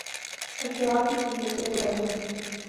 اشیا کی قیمتیں بلند ہوئیں